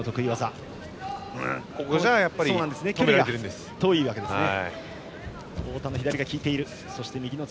ですが、距離が遠いわけですね。